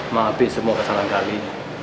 maafin semua kesalahan gali